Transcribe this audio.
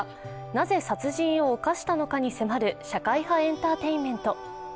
なぜ殺人を犯したのかに迫る社会派エンターテインメント。